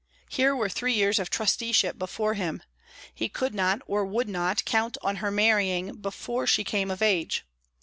Here were three years of trusteeship before him he could not, or would not, count on her marrying before she came of age.